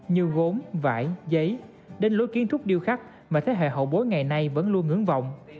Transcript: như gốm vải giấy đến lối kiến trúc điêu khắc mà thế hệ hậu bối ngày nay vẫn luôn hướng vọng